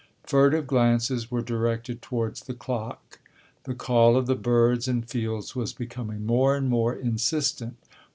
Furtive glances were directed towards the clock. The call of the birds and fields was becoming more and more insistent.